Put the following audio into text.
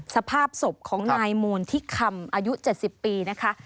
สภาพศพของนายมูลที่คำอายุ๗๐ปีนะคะ